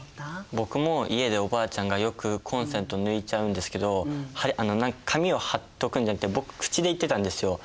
僕も家でおばあちゃんがよくコンセント抜いちゃうんですけど紙を貼っとくんじゃなくて僕口で言ってたんですよ。